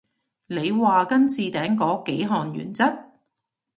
你話跟置頂嗰幾項原則？